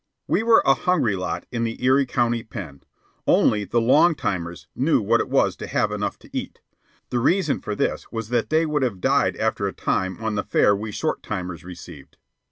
We were a hungry lot in the Erie County Pen. Only the "long timers" knew what it was to have enough to eat. The reason for this was that they would have died after a time on the fare we "short timers" received.